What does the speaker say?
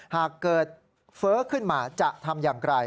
หากเกิดเฟ้อขึ้นมาจะทำอย่างไร